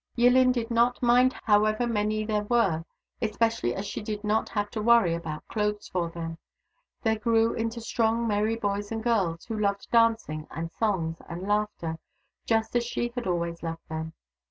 Yillin did not mind however many there were, especially as she did not have to worry about clothes for them. They grew into strong, merry boys and girls, who loved dancing and songs and laughter just as she had always loved them.